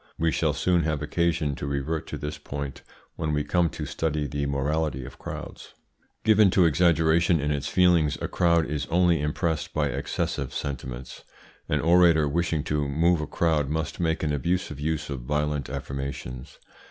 We shall soon have occasion to revert to this point when we come to study the morality of crowds. Given to exaggeration in its feelings, a crowd is only impressed by excessive sentiments. An orator wishing to move a crowd must make an abusive use of violent affirmations.